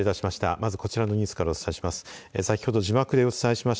まずこちらのニュースからお伝えします。